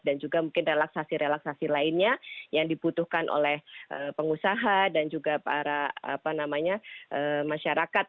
dan juga mungkin relaksasi relaksasi lainnya yang dibutuhkan oleh pengusaha dan juga para masyarakat